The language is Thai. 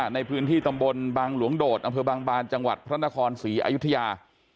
ในพื้นที่ตำบลบางหลวงโดดอำเภอบางบานจังหวัดพระนครศรีอยุธยา